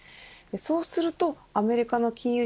そうするとアメリカの金融